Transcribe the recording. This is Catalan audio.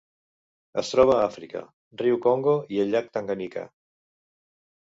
Es troba a Àfrica: riu Congo i llac Tanganyika.